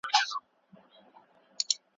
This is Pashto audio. آیا حساب کتاب دې په سمه توګه ترسره کړی دی؟